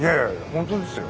本当ですよ。